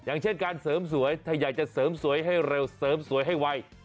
อย่างเช่นการเสริมสวยถ้าอยากจะเสริมสวยให้เร็วเสริมสวยให้ไว